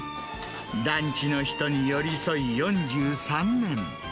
団地の人に寄り添い４３年。